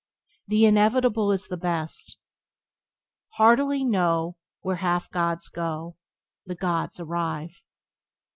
The inevitable is the best. "Heartily know, When half gods go, The gods arrive."